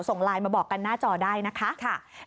ส่งไลน์มาบอกกันหน้าจอได้นะคะ